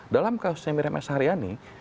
dalam kasus miriam s hariani